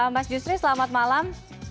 mas jusri selamat malam